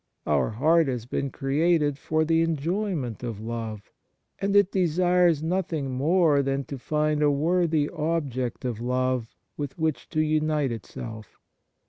Our heart has been created for the enjoyment of love, and it desires nothing more than to find a worthy object of love with which to unite itself.